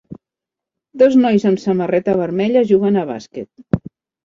dos nois amb samarreta vermella juguen a bàsquet